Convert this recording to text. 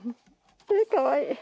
かわいい。